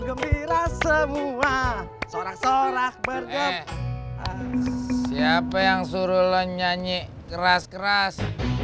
eh siapa yang suruh lo nyanyi keras keras